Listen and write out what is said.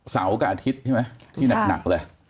เสาร์กับอาทิตย์ใช่ไหมที่หนักเลย